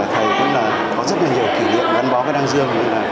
thầy cũng có rất nhiều kỷ niệm gắn bó với đăng dương